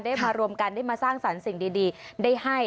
มารวมกันได้มาสร้างสรรค์สิ่งดีได้ให้